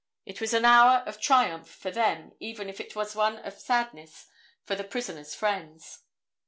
It was an hour of triumph for them even if it was one of sadness for the prisoner's friends.